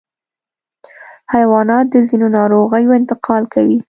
حیوانات د ځینو ناروغیو انتقال کوي.